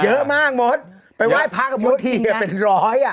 เยอะมากมศไปไหว้คุณพละกับมศทีเป็นร้อย